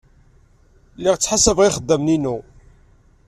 Lliɣ ttḥasabeɣ ixeddamen-inu.